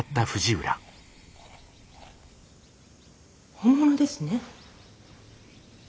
本物ですね。